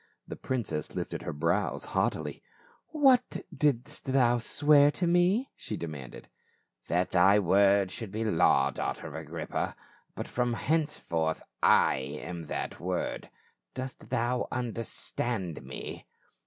The princess lifted her brows haughtily. "What didst thou swear to me?" she demanded. " That thy word should be law, daughter of Agrippa. But from henceforth I am that word. Dost thou understand me